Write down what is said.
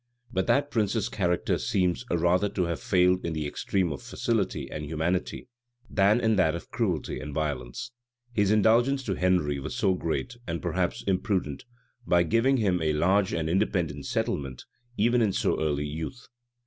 But that prince's character seems rather to have failed in the extreme of facility and humanity, than in that of cruelty and violence. His indulgence to Henry was great, and perhaps imprudent, by giving him a large and independent settlement, even in so early youth.